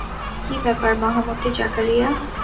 কি ব্যাপার মহামতি জাকারিয়া?